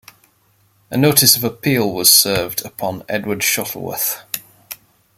A notice of appeal was served upon Edward Shuttleworth.